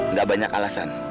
nggak banyak alasan